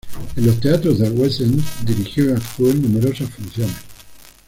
En los teatros del West End dirigió y actuó en numerosas funciones.